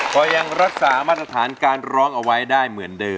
ก็ยังรักษามาตรฐานการร้องเอาไว้ได้เหมือนเดิม